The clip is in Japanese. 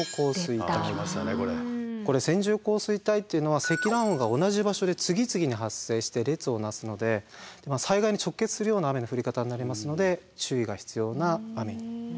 線状降水帯っていうのは積乱雲が同じ場所で次々に発生して列をなすので災害に直結するような雨の降り方になりますので注意が必要な雨になります。